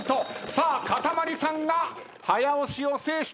さあかたまりさんが早押しを制した。